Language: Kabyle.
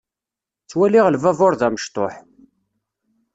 Ttwaliɣ lbabuṛ d amecṭuḥ.